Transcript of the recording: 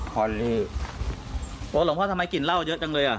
ตอนนี้โอ้หลวงพ่อทำไมกลิ่นเหล้าเยอะจังเลยอ่ะ